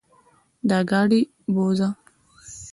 دا ګاډې بوځه.